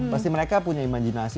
pasti mereka punya imajinasi